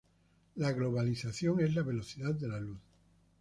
La globalización es la velocidad de la luz.